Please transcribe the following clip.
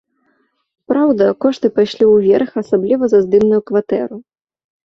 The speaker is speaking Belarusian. Праўда, кошты пайшлі ўверх, асабліва за здымную кватэру.